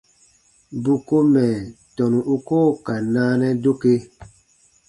Bù ko mɛ̀ tɔnu u koo ka naanɛ doke.